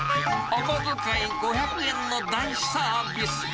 お小遣い５００円の大サービス。